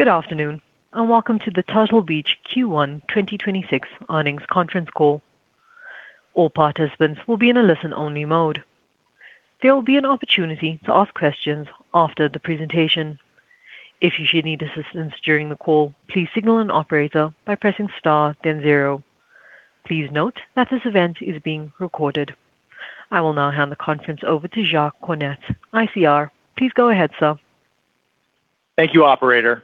Good afternoon, welcome to the Turtle Beach Q1 2026 earnings conference call. All participants will be in a listen-only mode. There will be an opportunity to ask questions after the presentation. If you should need assistance during the call, please signal an operator by pressing star then zero. Please note that this event is being recorded. I will now hand the conference over to Jacques Cornet, ICR. Please go ahead, sir. Thank you, operator.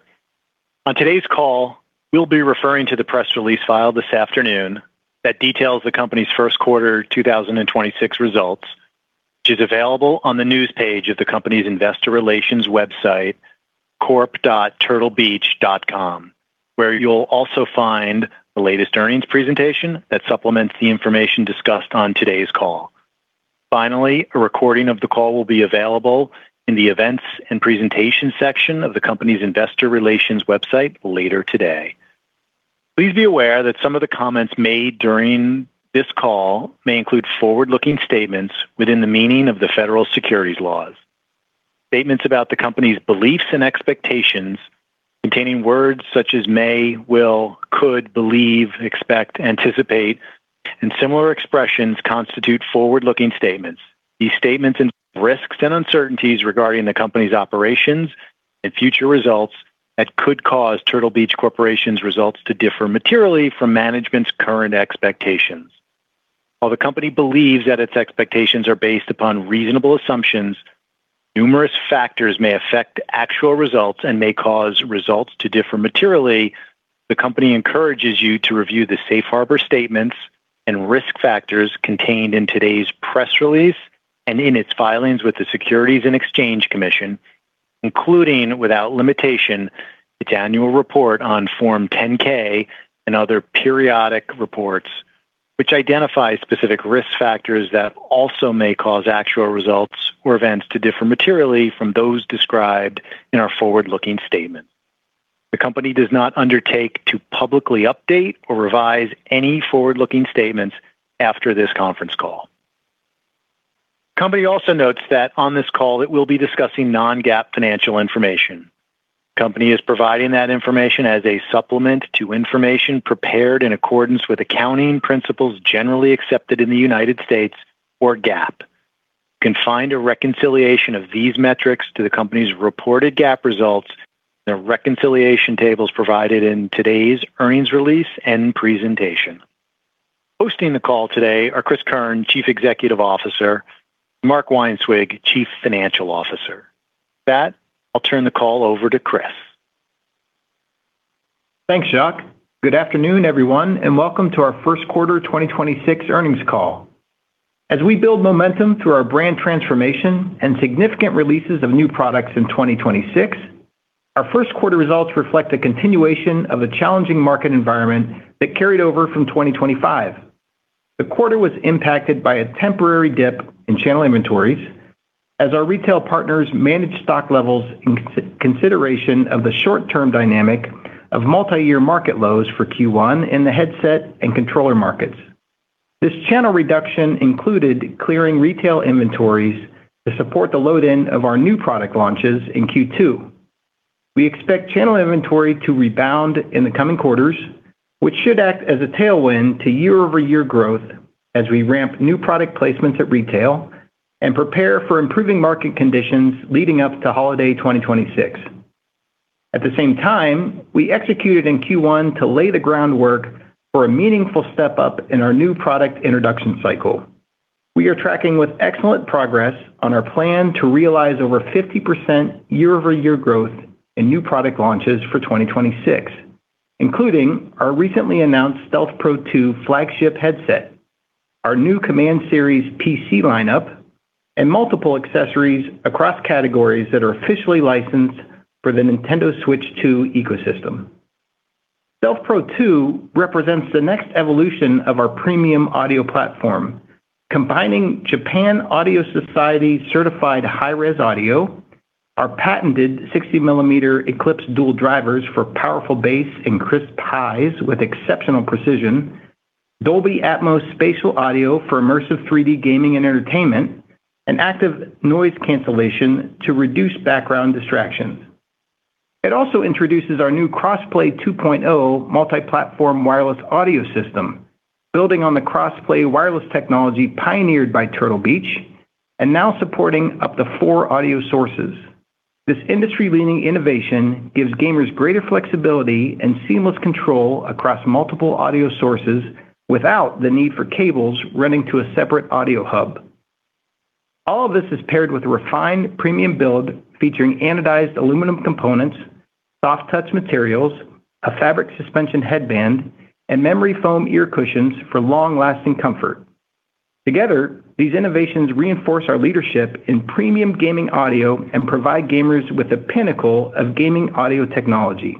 On today's call, we'll be referring to the press release filed this afternoon that details the company's first quarter 2026 results, which is available on the news page of the company's investor relations website, corp.turtlebeach.com, where you'll also find the latest earnings presentation that supplements the information discussed on today's call. Finally, a recording of the call will be available in the Events and Presentation section of the company's investor relations website later today. Please be aware that some of the comments made during this call may include forward-looking statements within the meaning of the federal securities laws. Statements about the company's beliefs and expectations containing words such as may, will, could, believe, expect, anticipate, and similar expressions constitute forward-looking statements. These statements involve risks and uncertainties regarding the company's operations and future results that could cause Turtle Beach Corporation's results to differ materially from management's current expectations. While the company believes that its expectations are based upon reasonable assumptions, numerous factors may affect actual results and may cause results to differ materially. The company encourages you to review the safe harbor statements and risk factors contained in today's press release and in its filings with the Securities and Exchange Commission, including, without limitation, its annual report on Form 10-K and other periodic reports, which identify specific risk factors that also may cause actual results or events to differ materially from those described in our forward-looking statement. The company does not undertake to publicly update or revise any forward-looking statements after this conference call. The company also notes that on this call, it will be discussing non-GAAP financial information. The company is providing that information as a supplement to information prepared in accordance with accounting principles generally accepted in the United States or GAAP. You can find a reconciliation of these metrics to the company's reported GAAP results in the reconciliation tables provided in today's earnings release and presentation. Hosting the call today are Cris Keirn, Chief Executive Officer, and Mark Weinswig, Chief Financial Officer. With that, I'll turn the call over to Cris. Thanks, Jacques. Good afternoon, everyone, and welcome to our first quarter 2026 earnings call. As we build momentum through our brand transformation and significant releases of new products in 2026, our first quarter results reflect a continuation of a challenging market environment that carried over from 2025. The quarter was impacted by a temporary dip in channel inventories as our retail partners managed stock levels in consideration of the short-term dynamic of multi-year market lows for Q1 in the headset and controller markets. This channel reduction included clearing retail inventories to support the load-in of our new product launches in Q2. We expect channel inventory to rebound in the coming quarters, which should act as a tailwind to year-over-year growth as we ramp new product placements at retail and prepare for improving market conditions leading up to holiday 2026. At the same time, we executed in Q1 to lay the groundwork for a meaningful step-up in our new product introduction cycle. We are tracking with excellent progress on our plan to realize over 50% year-over-year growth in new product launches for 2026, including our recently announced Stealth Pro II flagship headset, our new Command Series PC lineup, and multiple accessories across categories that are officially licensed for the Nintendo Switch 2 ecosystem. Stealth Pro II represents the next evolution of our premium audio platform, combining Japan Audio Society certified Hi-Res Audio, our patented 60-millimeter Eclipse dual drivers for powerful bass and crisp highs with exceptional precision, Dolby Atmos spatial audio for immersive 3D gaming and entertainment, and active noise cancellation to reduce background distractions. It also introduces our new CrossPlay 2.0 multi-platform wireless audio system, building on the CrossPlay wireless technology pioneered by Turtle Beach and now supporting up to four audio sources. This industry-leading innovation gives gamers greater flexibility and seamless control across multiple audio sources without the need for cables running to a separate audio hub. All of this is paired with a refined premium build featuring anodized aluminum components, soft-touch materials, a fabric suspension headband, and memory foam ear cushions for long-lasting comfort. Together, these innovations reinforce our leadership in premium gaming audio and provide gamers with the pinnacle of gaming audio technology.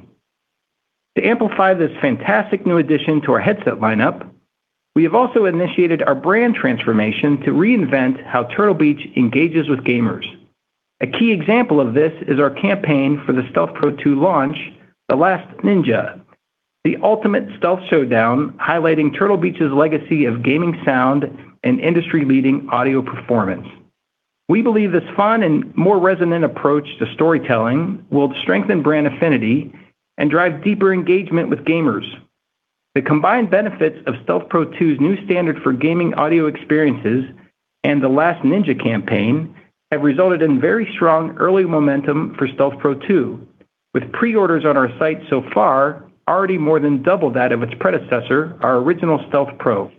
To amplify this fantastic new addition to our headset lineup, we have also initiated our brand transformation to reinvent how Turtle Beach engages with gamers. A key example of this is our campaign for the Stealth Pro II launch, The Last Ninja: The Ultimate Stealth Showdown, highlighting Turtle Beach's legacy of gaming sound and industry-leading audio performance. We believe this fun and more resonant approach to storytelling will strengthen brand affinity and drive deeper engagement with gamers. The combined benefits of Stealth Pro II's new standard for gaming audio experiences and The Last Ninja campaign have resulted in very strong early momentum for Stealth Pro II, with pre-orders on our site so far already more than double that of its predecessor, our original Stealth Pro.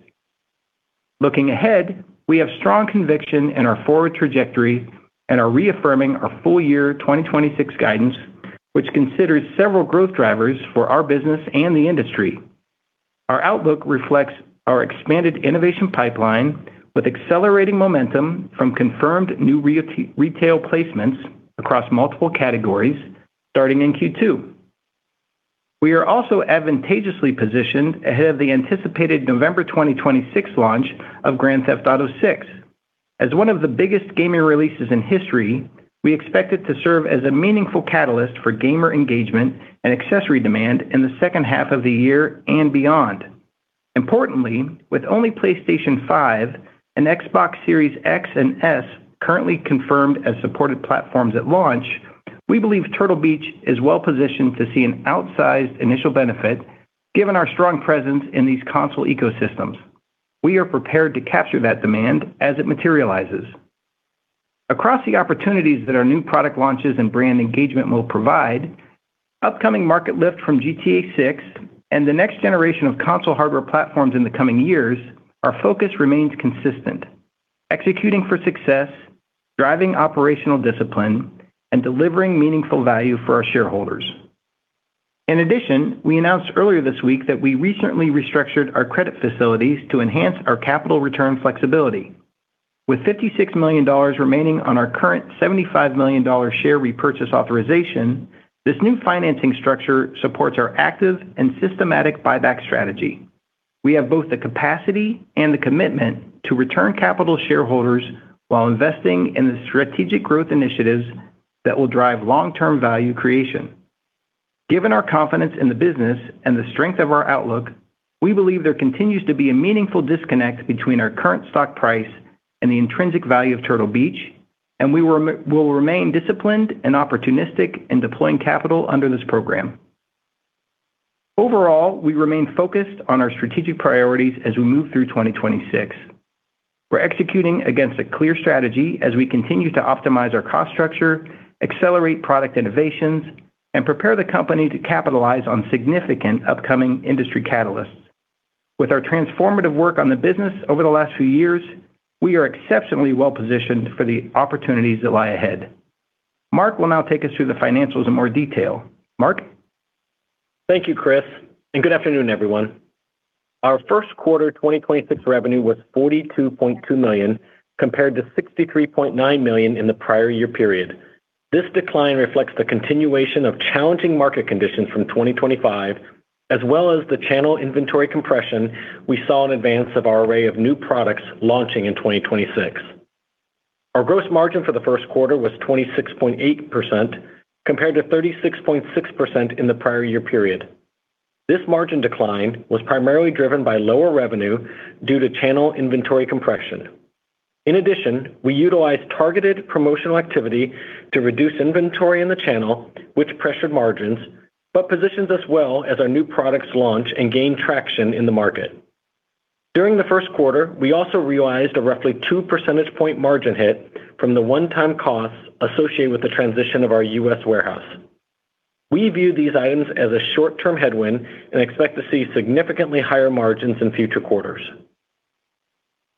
Looking ahead, we have strong conviction in our forward trajectory and are reaffirming our full year 2026 guidance, which considers several growth drivers for our business and the industry. Our outlook reflects our expanded innovation pipeline with accelerating momentum from confirmed new retail placements across multiple categories starting in Q2. We are also advantageously positioned ahead of the anticipated November 2026 launch of Grand Theft Auto six. As one of the biggest gaming releases in history, we expect it to serve as a meaningful catalyst for gamer engagement and accessory demand in the second half of the year and beyond. Importantly, with only PlayStation five and Xbox Series X and S currently confirmed as supported platforms at launch, we believe Turtle Beach is well-positioned to see an outsized initial benefit given our strong presence in these console ecosystems. We are prepared to capture that demand as it materializes. Across the opportunities that our new product launches and brand engagement will provide, upcoming market lift from GTA six and the next generation of console hardware platforms in the coming years, our focus remains consistent, executing for success, driving operational discipline, and delivering meaningful value for our shareholders. In addition, we announced earlier this week that we recently restructured our credit facilities to enhance our capital return flexibility. With $56 million remaining on our current $75 million share repurchase authorization, this new financing structure supports our active and systematic buyback strategy. We have both the capacity and the commitment to return capital shareholders while investing in the strategic growth initiatives that will drive long-term value creation. Given our confidence in the business and the strength of our outlook, we believe there continues to be a meaningful disconnect between our current stock price and the intrinsic value of Turtle Beach, and we will remain disciplined and opportunistic in deploying capital under this program. Overall, we remain focused on our strategic priorities as we move through 2026. We're executing against a clear strategy as we continue to optimize our cost structure, accelerate product innovations, and prepare the company to capitalize on significant upcoming industry catalysts. With our transformative work on the business over the last few years, we are exceptionally well-positioned for the opportunities that lie ahead. Mark will now take us through the financials in more detail. Mark? Thank you, Cris, and good afternoon, everyone. Our first quarter 2026 revenue was $42.2 million, compared to $63.9 million in the prior year period. This decline reflects the continuation of challenging market conditions from 2025, as well as the channel inventory compression we saw in advance of our array of new products launching in 2026. Our gross margin for the first quarter was 26.8%, compared to 36.6% in the prior year period. This margin decline was primarily driven by lower revenue due to channel inventory compression. In addition, we utilized targeted promotional activity to reduce inventory in the channel, which pressured margins, but positions us well as our new products launch and gain traction in the market. During the first quarter, we also realized a roughly 2 percentage point margin hit from the one-time costs associated with the transition of our U.S. warehouse. We view these items as a short-term headwind and expect to see significantly higher margins in future quarters.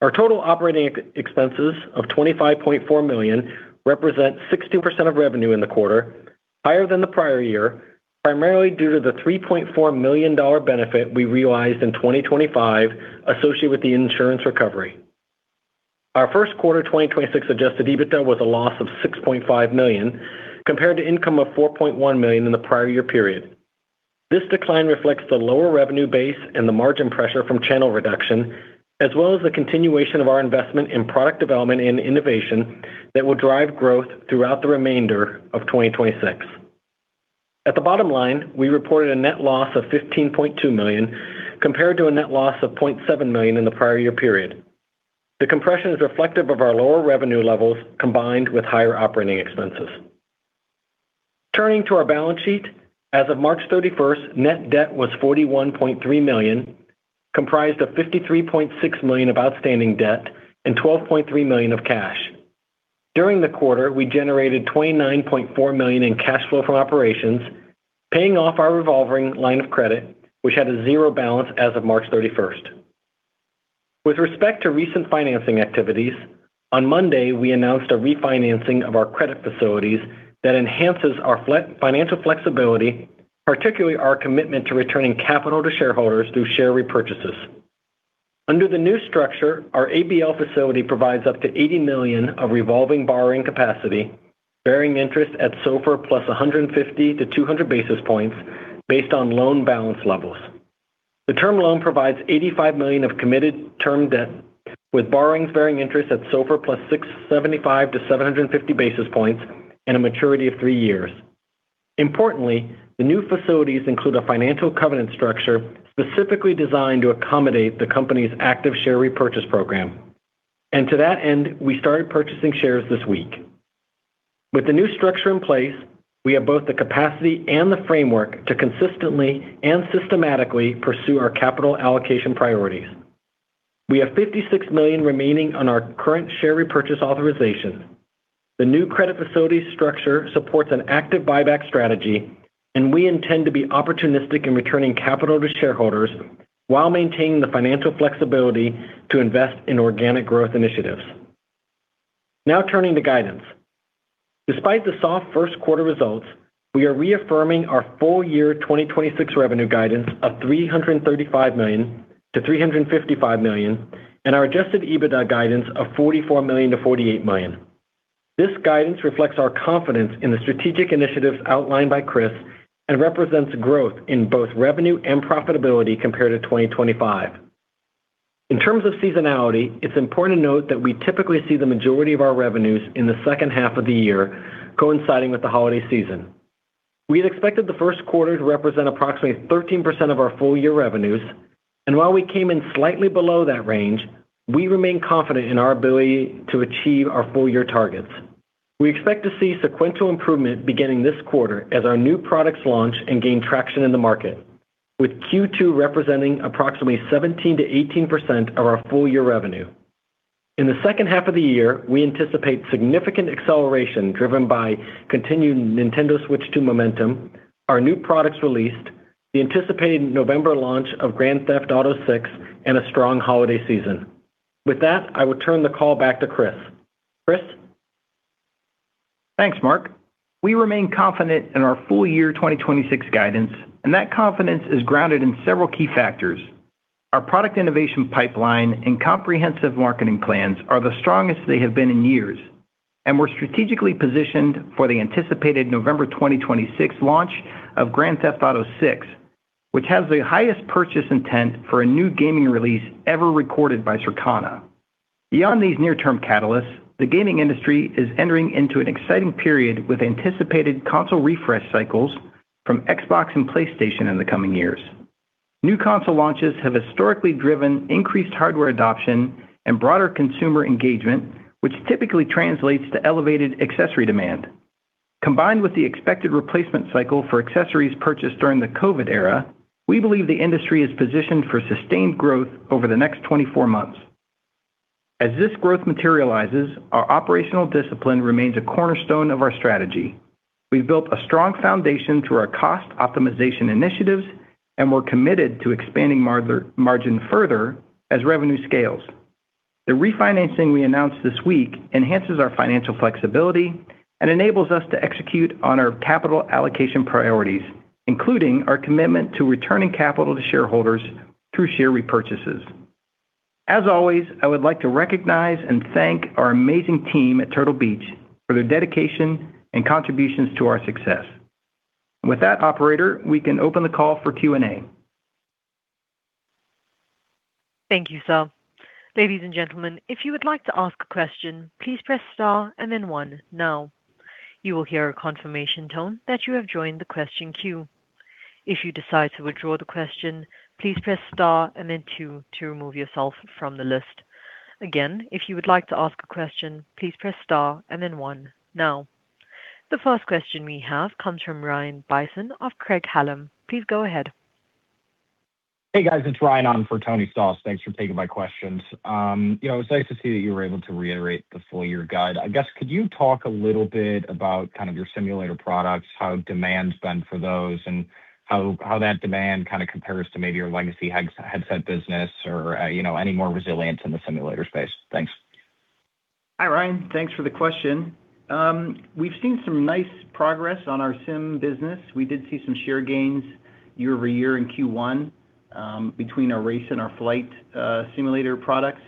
Our total operating expenses of $25.4 million represent 60% of revenue in the quarter, higher than the prior year, primarily due to the $3.4 million benefit we realized in 2025 associated with the insurance recovery. Our first quarter 2026 adjusted EBITDA was a loss of $6.5 million, compared to income of $4.1 million in the prior year period. This decline reflects the lower revenue base and the margin pressure from channel reduction, as well as the continuation of our investment in product development and innovation that will drive growth throughout the remainder of 2026. At the bottom line, we reported a net loss of $15.2 million, compared to a net loss of $0.7 million in the prior year period. The compression is reflective of our lower revenue levels combined with higher operating expenses. Turning to our balance sheet, as of March 31st, net debt was $41.3 million, comprised of $53.6 million of outstanding debt and $12.3 million of cash. During the quarter, we generated $29.4 million in cash flow from operations, paying off our revolving line of credit, which had a zero balance as of March 31st. With respect to recent financing activities, on Monday, we announced a refinancing of our credit facilities that enhances our financial flexibility, particularly our commitment to returning capital to shareholders through share repurchases. Under the new structure, our ABL facility provides up to $80 million of revolving borrowing capacity, bearing interest at SOFR plus 150-200 basis points based on loan balance levels. The term loan provides $85 million of committed term debt with borrowings bearing interest at SOFR plus 675-750 basis points and a maturity of three years. Importantly, the new facilities include a financial covenant structure specifically designed to accommodate the company's active share repurchase program. To that end, we started purchasing shares this week. With the new structure in place, we have both the capacity and the framework to consistently and systematically pursue our capital allocation priorities. We have $56 million remaining on our current share repurchase authorization. The new credit facility structure supports an active buyback strategy, and we intend to be opportunistic in returning capital to shareholders while maintaining the financial flexibility to invest in organic growth initiatives. Now turning to guidance. Despite the soft first quarter results, we are reaffirming our full year 2026 revenue guidance of $335 million-$355 million and our adjusted EBITDA guidance of $44 million-$48 million. This guidance reflects our confidence in the strategic initiatives outlined by Cris and represents growth in both revenue and profitability compared to 2025. In terms of seasonality, it's important to note that we typically see the majority of our revenues in the second half of the year coinciding with the holiday season. We had expected the first quarter to represent approximately 13% of our full year revenues, and while we came in slightly below that range, we remain confident in our ability to achieve our full year targets. We expect to see sequential improvement beginning this quarter as our new products launch and gain traction in the market, with Q2 representing approximately 17%-18% of our full year revenue. In the second half of the year, we anticipate significant acceleration driven by continued Nintendo Switch 2 momentum, our new products released, the anticipated November launch of Grand Theft Auto six, and a strong holiday season. With that, I will turn the call back to Cris. Cris? Thanks, Mark. We remain confident in our full year 2026 guidance, and that confidence is grounded in several key factors. Our product innovation pipeline and comprehensive marketing plans are the strongest they have been in years, and we're strategically positioned for the anticipated November 2026 launch of Grand Theft Auto six, which has the highest purchase intent for a new gaming release ever recorded by Circana. Beyond these near-term catalysts, the gaming industry is entering into an exciting period with anticipated console refresh cycles from Xbox and PlayStation in the coming years. New console launches have historically driven increased hardware adoption and broader consumer engagement, which typically translates to elevated accessory demand. Combined with the expected replacement cycle for accessories purchased during the COVID era, we believe the industry is positioned for sustained growth over the next 24 months. As this growth materializes, our operational discipline remains a cornerstone of our strategy. We've built a strong foundation through our cost optimization initiatives, and we're committed to expanding margin further as revenue scales. The refinancing we announced this week enhances our financial flexibility and enables us to execute on our capital allocation priorities, including our commitment to returning capital to shareholders through share repurchases. As always, I would like to recognize and thank our amazing team at Turtle Beach for their dedication and contributions to our success. With that, operator, we can open the call for Q&A. Thank you, sir. The first question we have comes from Rian Bisson of Craig-Hallum. Please go ahead. Hey, guys, it's Rian on for Anthony Stoss. Thanks for taking my questions. You know, it's nice to see that you were able to reiterate the full year guide. Could you talk a little bit about kind of your simulator products, how demand's been for those, and how that demand kind of compares to maybe your legacy headset business or, you know, any more resilience in the simulator space? Thanks. Hi, Rian. Thanks for the question. We've seen some nice progress on our sim business. We did see some share gains year-over-year in Q1 between our race and our flight simulator products.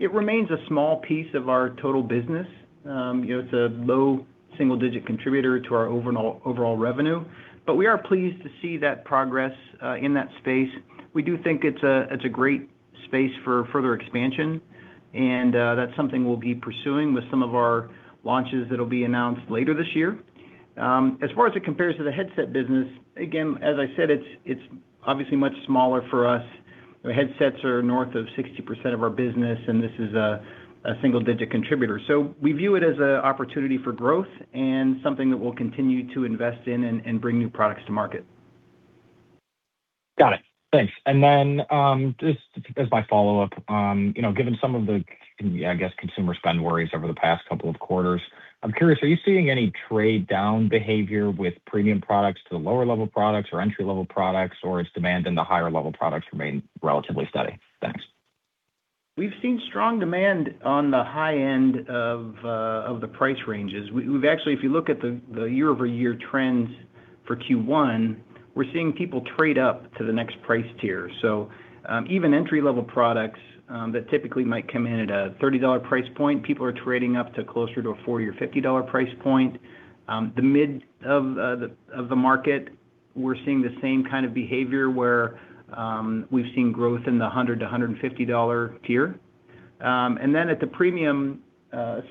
It remains a small piece of our total business. You know, it's a low single-digit contributor to our overall revenue. We are pleased to see that progress in that space. We do think it's a great space for further expansion, and that's something we'll be pursuing with some of our launches that'll be announced later this year. As far as it compares to the headset business, again, as I said, it's obviously much smaller for us. Our headsets are north of 60% of our business, and this is a single-digit contributor. We view it as an opportunity for growth and something that we'll continue to invest in and bring new products to market. Got it. Thanks. Just as my follow-up, you know, given some of the consumer spend worries over the past couple of quarters, I'm curious, are you seeing any trade-down behavior with premium products to the lower-level products or entry-level products, or is demand in the higher-level products remain relatively steady? Thanks. We've seen strong demand on the high end of the price ranges. We've actually, if you look at the year-over-year trends for Q1, we're seeing people trade up to the next price tier. Even entry-level products that typically might come in at a $30 price point, people are trading up to closer to a $40 or $50 price point. The mid of the market, we're seeing the same kind of behavior where we've seen growth in the $100-$150 tier. At the premium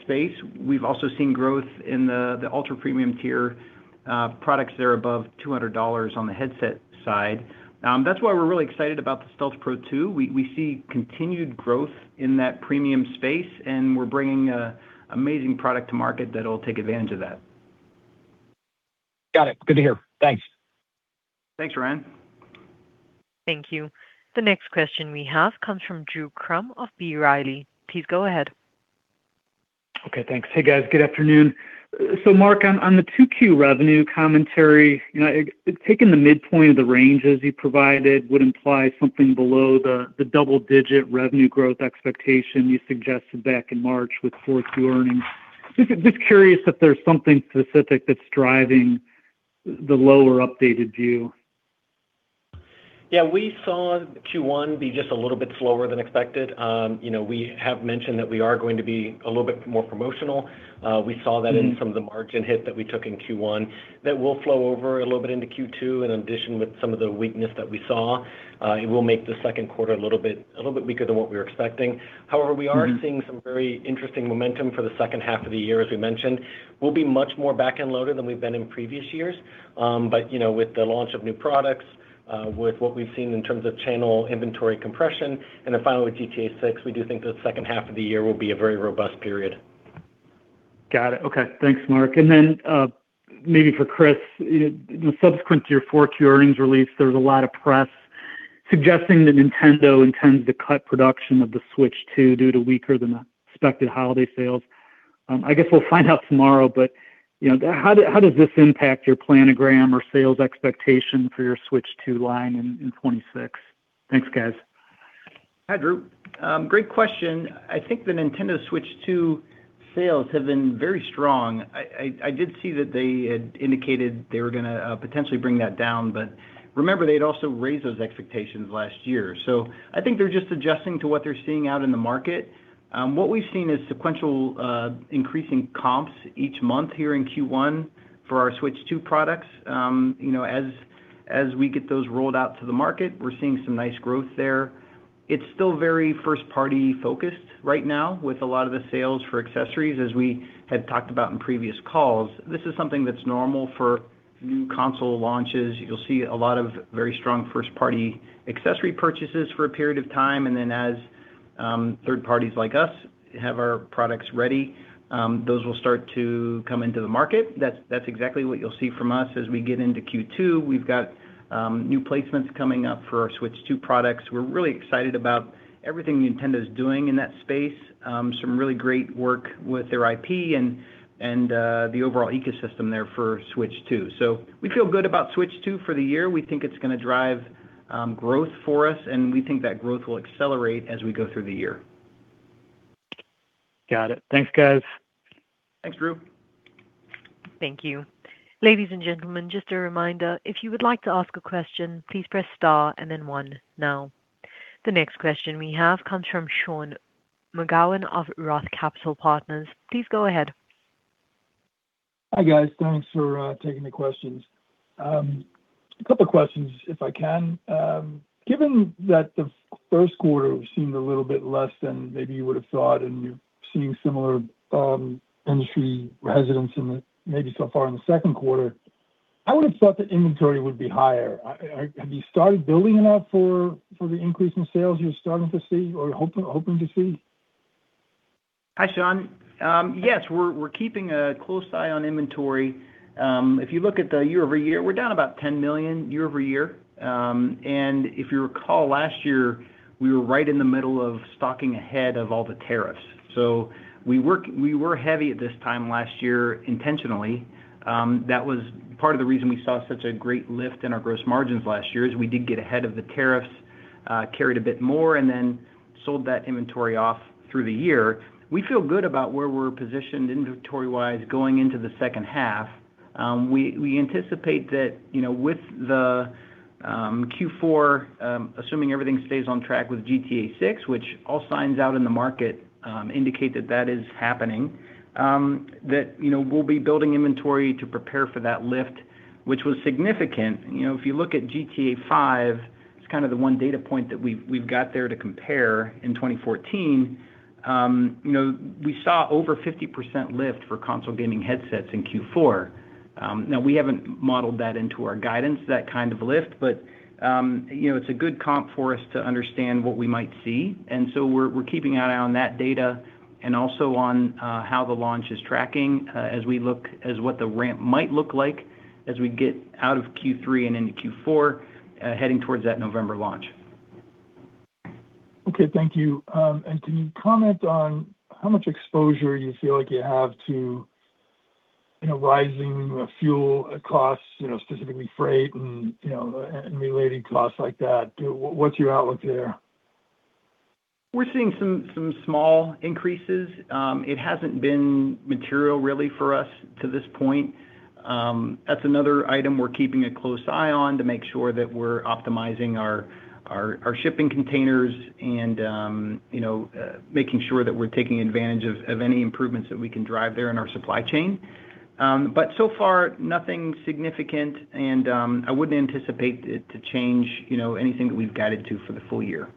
space, we've also seen growth in the ultra-premium tier products that are above $200 on the headset side. That's why we're really excited about the Stealth Pro II. We see continued growth in that premium space, and we're bringing amazing product to market that'll take advantage of that. Got it. Good to hear. Thanks. Thanks, Rian. Thank you. The next question we have comes from Drew Crum of B. Riley. Please go ahead. Okay, thanks. Hey, guys. Good afternoon. Mark, on the 2Q revenue commentary, you know, taking the midpoint of the ranges you provided would imply something below the double-digit revenue growth expectation you suggested back in March with fourth year earnings. Just curious if there's something specific that's driving the lower updated view. Yeah. We saw Q1 be just a little bit slower than expected. You know, we have mentioned that we are going to be a little bit more promotional. in some of the margin hit that we took in Q1. That will flow over a little bit into Q2. In addition, with some of the weakness that we saw, it will make the second quarter a little bit weaker than what we were expecting. seeing some very interesting momentum for the second half of the year, as we mentioned. We'll be much more back-end loaded than we've been in previous years. You know, with the launch of new products, with what we've seen in terms of channel inventory compression, finally with GTA 6, we do think the second half of the year will be a very robust period. Got it. Okay. Thanks, Mark. Maybe for Cris. You know, subsequent to your 4Q earnings release, there was a lot of press suggesting that Nintendo intends to cut production of the Switch 2 due to weaker than expected holiday sales. I guess we'll find out tomorrow, but, you know, how does this impact your planogram or sales expectation for your Switch 2 line in 2026? Thanks, guys. Hi, Drew. Great question. I think the Nintendo Switch two sales have been very strong. I did see that they had indicated they were going to potentially bring that down, but remember, they'd also raised those expectations last year. I think they're just adjusting to what they're seeing out in the market. What we've seen is sequential increase in comps each month here in Q1 for our Switch two products. You know, as we get those rolled out to the market, we're seeing some nice growth there. It's still very first-party focused right now with a lot of the sales for accessories, as we had talked about in previous calls. This is something that's normal for new console launches. You'll see a lot of very strong first-party accessory purchases for a period of time, and then as third parties like us have our products ready, those will start to come into the market. That's exactly what you'll see from us as we get into Q2. We've got new placements coming up for our Switch two products. We're really excited about everything Nintendo's doing in that space. Some really great work with their IP and the overall ecosystem there for Switch two. We feel good about Switch two for the year. We think it's gonna drive growth for us, and we think that growth will accelerate as we go through the year. Got it. Thanks, guys. Thanks, Drew. Thank you. Ladies and gentlemen, just a reminder, if you would like to ask a question, please press star and then one now. The next question we have comes from Sean McGowan of Roth Capital Partners. Please go ahead. Hi, guys. Thanks for taking the questions. A couple of questions if I can. Given that the first quarter seemed a little bit less than maybe you would have thought and you're seeing similar industry resonance maybe so far in the second quarter, I would have thought that inventory would be higher. Have you started building enough for the increase in sales you're starting to see or hoping to see? Hi, Sean. Yes, we're keeping a close eye on inventory. If you look at the year-over-year, we're down about $10 million year-over-year. If you recall, last year, we were right in the middle of stocking ahead of all the tariffs. We were heavy at this time last year intentionally. That was part of the reason we saw such a great lift in our gross margins last year is we did get ahead of the tariffs, carried a bit more, sold that inventory off through the year. We feel good about where we're positioned inventory-wise going into the second half. We anticipate that, you know, with the Q4, assuming everything stays on track with GTA six, which all signs out in the market indicate that that is happening, that, you know, we'll be building inventory to prepare for that lift, which was significant. You know, if you look at GTA five, it's kind of the one data point that we've got there to compare in 2014. We saw over 50% lift for console gaming headsets in Q4. Now we haven't modeled that into our guidance, that kind of lift, but, you know, it's a good comp for us to understand what we might see. We're keeping an eye on that data and also on how the launch is tracking as we look as what the ramp might look like as we get out of Q3 and into Q4, heading towards that November launch. Okay. Thank you. Can you comment on how much exposure you feel like you have to rising fuel costs, specifically freight and related costs like that? What's your outlook there? We're seeing some small increases. It hasn't been material really for us to this point. That's another item we're keeping a close eye on to make sure that we're optimizing our shipping containers and, you know, making sure that we're taking advantage of any improvements that we can drive there in our supply chain. So far, nothing significant and, I wouldn't anticipate it to change, you know, anything that we've guided to for the full year.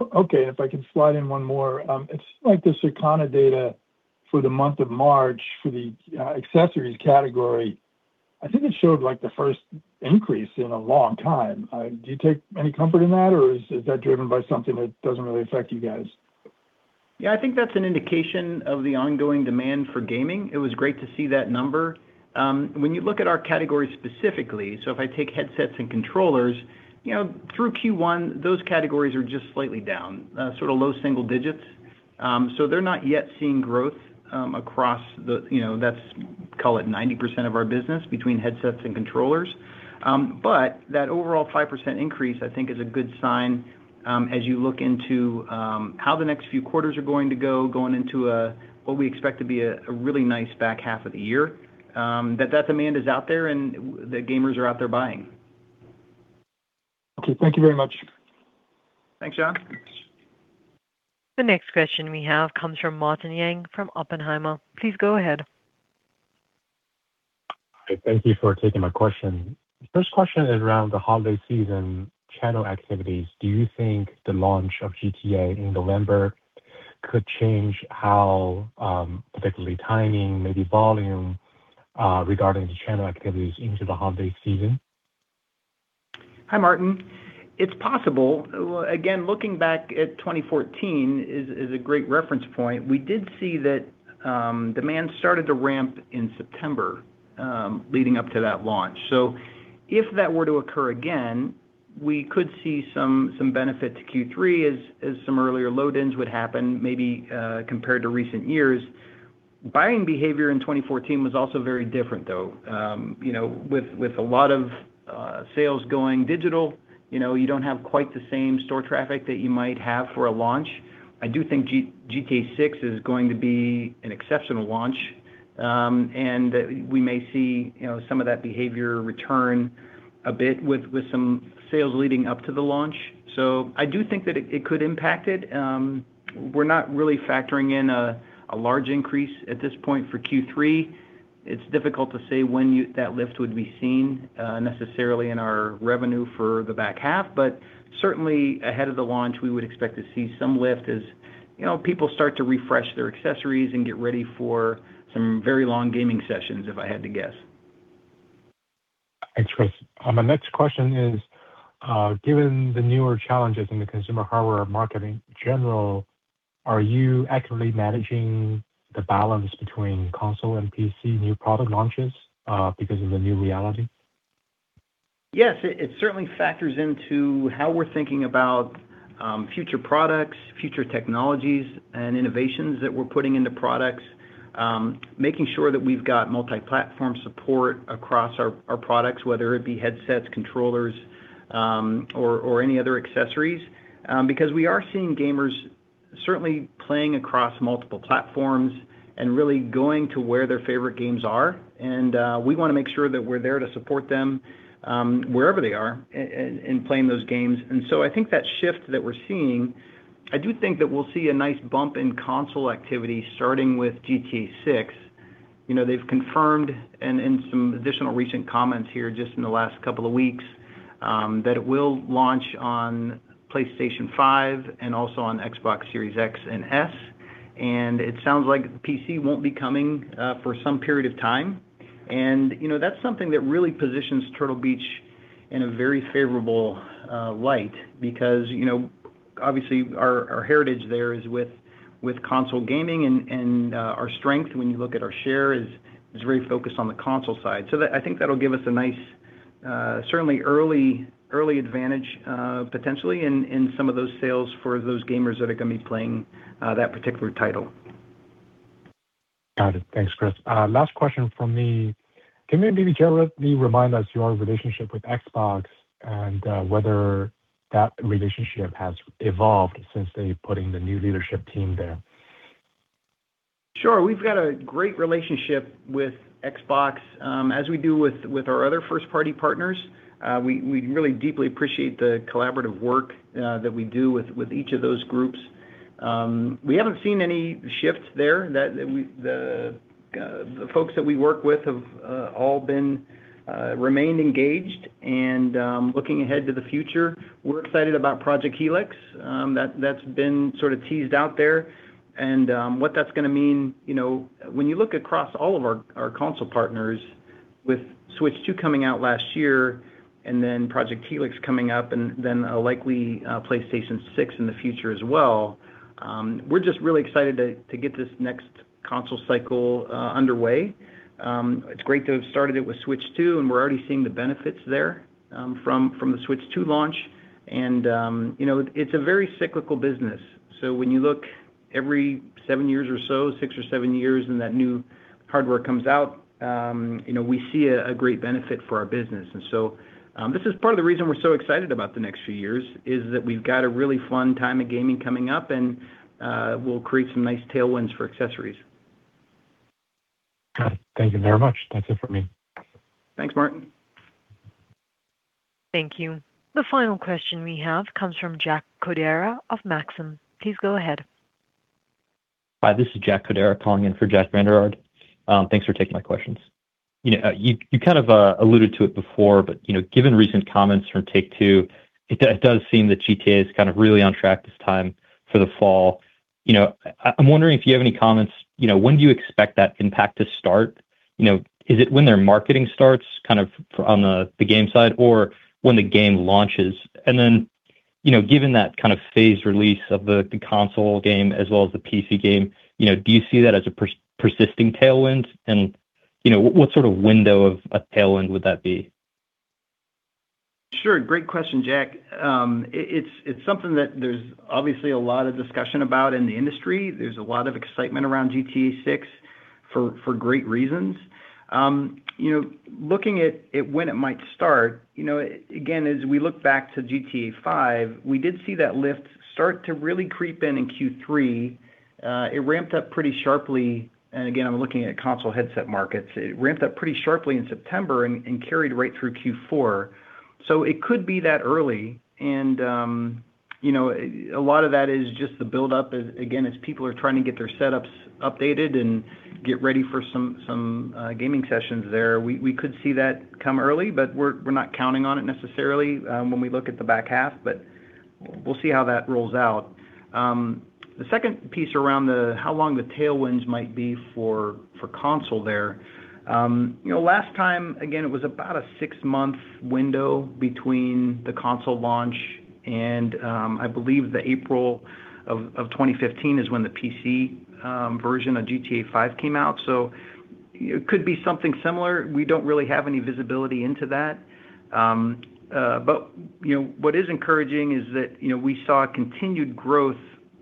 Okay. If I can slide in one more. It's like the Circana data for the month of March for the accessories category. I think it showed like the first increase in a long time. Do you take any comfort in that, or is that driven by something that doesn't really affect you guys? I think that's an indication of the ongoing demand for gaming. It was great to see that number. When you look at our categories specifically, so if I take headsets and controllers, you know, through Q1, those categories are just slightly down, sort of low single digits. They're not yet seeing growth, across the, you know, that's, call it 90% of our business between headsets and controllers. That overall 5% increase, I think is a good sign, as you look into, how the next few quarters are going to go, going into a, what we expect to be a really nice back half of the year. That demand is out there and the gamers are out there buying. Okay. Thank you very much. Thanks, Sean. The next question we have comes from Martin Yang from Oppenheimer. Please go ahead. Hi. Thank you for taking my question. First question is around the holiday season channel activities. Do you think the launch of GTA in November could change how, particularly timing, maybe volume, regarding the channel activities into the holiday season? Hi, Martin. It's possible. Well, again, looking back at 2014 is a great reference point. We did see that demand started to ramp in September, leading up to that launch. If that were to occur again, we could see some benefit to Q3 as some earlier load-ins would happen, maybe, compared to recent years. Buying behavior in 2014 was also very different though. You know, with a lot of sales going digital, you know, you don't have quite the same store traffic that you might have for a launch. I do think GTA six is going to be an exceptional launch. We may see, you know, some of that behavior return a bit with some sales leading up to the launch. I do think that it could impact it. We're not really factoring in a large increase at this point for Q3. It's difficult to say when that lift would be seen necessarily in our revenue for the back half. Certainly ahead of the launch, we would expect to see some lift as, you know, people start to refresh their accessories and get ready for some very long gaming sessions, if I had to guess. Thanks, Cris. My next question is, given the newer challenges in the consumer hardware marketing general, are you actively managing the balance between console and PC new product launches because of the new reality? Yes. It certainly factors into how we're thinking about future products, future technologies and innovations that we're putting into products. Making sure that we've got multi-platform support across our products, whether it be headsets, controllers, or any other accessories. Because we are seeing gamers certainly playing across multiple platforms and really going to where their favorite games are. We wanna make sure that we're there to support them wherever they are in playing those games. I think that shift that we're seeing, I do think that we'll see a nice bump in console activity starting with GTA six. You know, they've confirmed and in some additional recent comments here just in the last couple of weeks, that it will launch on PlayStation five and also on Xbox Series X and S. It sounds like PC won't be coming for some period of time. You know, that's something that really positions Turtle Beach in a very favorable light because, you know, obviously our heritage there is with console gaming and our strength when you look at our share is very focused on the console side. I think that'll give us a nice, certainly early advantage, potentially in some of those sales for those gamers that are gonna be playing that particular title. Got it. Thanks, Cris. Last question from me. Can you maybe gently remind us your relationship with Xbox and whether that relationship has evolved since they putting the new leadership team there? Sure. We've got a great relationship with Xbox, as we do with our other first party partners. We, we really deeply appreciate the collaborative work, that we do with each of those groups. We haven't seen any shifts there that the folks that we work with have all been remained engaged. Looking ahead to the future, we're excited about Project Helix. That, that's been sort of teased out there and what that's gonna mean. You know, when you look across all of our console partners with Switch two coming out last year and then Project Helix coming up, and then a likely PlayStation six in the future as well, we're just really excited to get this next console cycle underway. It's great to have started it with Switch two, and we're already seeing the benefits there from the Switch two launch. You know, it's a very cyclical business. When you look every seven years or so, six or seven years, and that new hardware comes out, you know, we see a great benefit for our business. This is part of the reason we're so excited about the next few years, is that we've got a really fun time of gaming coming up, and we'll create some nice tailwinds for accessories. Got it. Thank you very much. That's it for me. Thanks, Martin. Thank you. The final question we have comes from Jack Codera of Maxim. Please go ahead. Hi, this is Jack Codera calling in for Jack Vander Aarde. Thanks for taking my questions. You know, you kind of alluded to it before, but, you know, given recent comments from Take-Two Interactive Software, it does seem that GTA is really on track this time for the fall. You know, I'm wondering if you have any comments. You know, when do you expect that impact to start? You know, is it when their marketing starts kind of for on the game side, or when the game launches? You know, given that kind of phased release of the console game as well as the PC game, you know, do you see that as a persisting tailwind? You know, what sort of window of a tailwind would that be? Sure. Great question, Jack. It's something that there's obviously a lot of discussion about in the industry. There's a lot of excitement around GTA six for great reasons. You know, looking at it when it might start, you know, again, as we look back to GTA V, we did see that lift start to really creep in in Q3. It ramped up pretty sharply. Again, I'm looking at console headset markets. It ramped up pretty sharply in September and carried right through Q4. It could be that early and, you know, a lot of that is just the buildup as, again, as people are trying to get their setups updated and get ready for some gaming sessions there. We could see that come early, but we're not counting on it necessarily when we look at the back half. We'll see how that rolls out. The second piece around how long the tailwinds might be for console there. You know, last time, again, it was about a 6-month window between the console launch and, I believe the April of 2015 is when the PC version of GTA five came out. It could be something similar. We don't really have any visibility into that. You know, what is encouraging is that, you know, we saw continued growth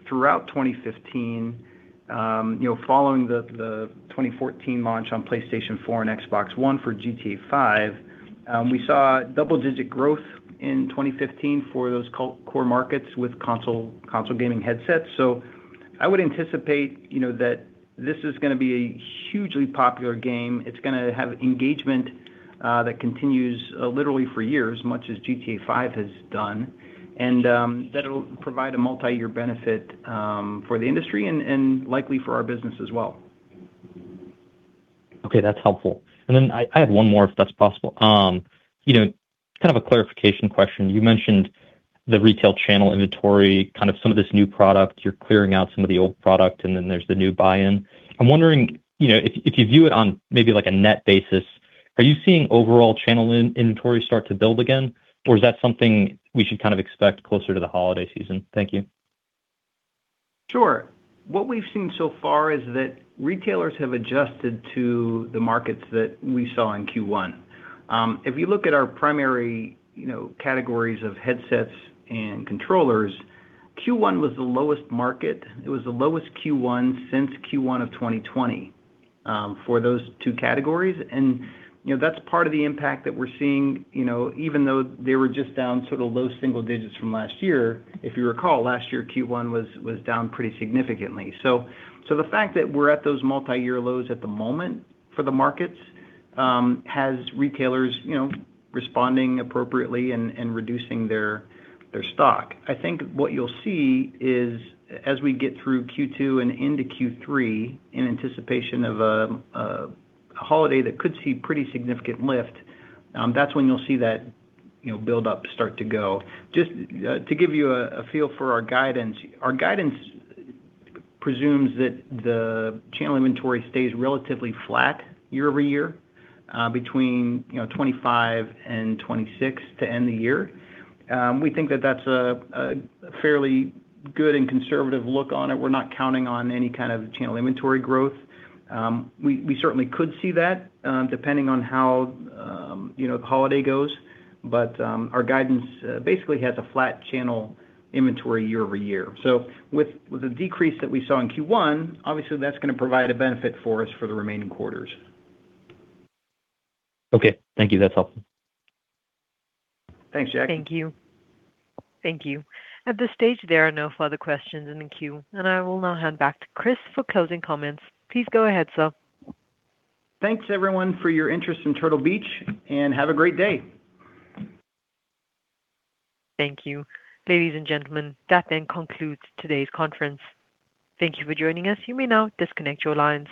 throughout 2015, you know, following the 2014 launch on PlayStation four and Xbox One for GTA five. We saw double-digit growth in 2015 for those core markets with console gaming headsets. I would anticipate, you know, that this is gonna be a hugely popular game. It's gonna have engagement that continues literally for years, much as GTA five has done. That'll provide a multi-year benefit for the industry and likely for our business as well. Okay, that's helpful. Then I have one more, if that's possible. You know, kind of a clarification question. You mentioned the retail channel inventory, kind of some of this new product. You're clearing out some of the old product, and then there's the new buy-in. I'm wondering, you know, if you view it on maybe like a net basis, are you seeing overall channel inventory start to build again, or is that something we should kind of expect closer to the holiday season? Thank you. Sure. What we've seen so far is that retailers have adjusted to the markets that we saw in Q1. If you look at our primary, you know, categories of headsets and controllers, Q1 was the lowest market. It was the lowest Q1 since Q1 of 2020 for those two categories. You know, that's part of the impact that we're seeing. You know, even though they were just down sort of low single digits from last year, if you recall, last year Q1 was down pretty significantly. The fact that we're at those multi-year lows at the moment for the markets has retailers, you know, responding appropriately and reducing their stock. I think what you'll see is as we get through Q2 and into Q3 in anticipation of a holiday that could see pretty significant lift, that's when you'll see that buildup start to go. Just to give you a feel for our guidance, our guidance presumes that the channel inventory stays relatively flat year over year, between 25 and 26 to end the year. We think that that's a fairly good and conservative look on it. We're not counting on any kind of channel inventory growth. We certainly could see that, depending on how the holiday goes. Our guidance basically has a flat channel inventory year over year. With the decrease that we saw in Q1, obviously that's gonna provide a benefit for us for the remaining quarters. Okay. Thank you. That's helpful. Thanks, Jack. Thank you. Thank you. At this stage, there are no further questions in the queue, and I will now hand back to Cris for closing comments. Please go ahead, sir. Thanks everyone for your interest in Turtle Beach, and have a great day. Thank you. Ladies and gentlemen, that then concludes today's conference. Thank you for joining us. You may now disconnect your lines.